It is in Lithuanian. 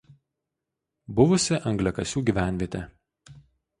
Buvusi angliakasių gyvenvietė.